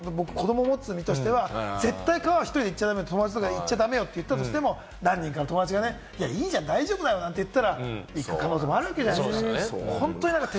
友達とかに何人かに誘われて、子どもを持つ身としては絶対、川は１人で行っちゃダメ、友達だけで行っちゃだめと言ったとしても、何人かの友達がいいじゃん、大丈夫だよ、なんて言ったら行く可能性もあるわけじゃないですか。